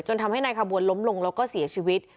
ทำให้นายขบวนล้มลงแล้วก็เสียชีวิต